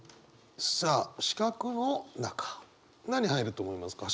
さあ四角の中何入ると思いますか？